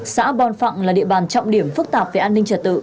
xã bon phạng là địa bàn trọng điểm phức tạp về an ninh trật tự